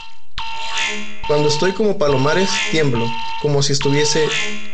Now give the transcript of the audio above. cuando estoy como Palomares, tiemblo ; como si estuviese